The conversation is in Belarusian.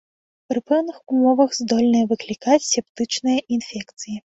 Пры пэўных умовах здольныя выклікаць септычныя інфекцыі.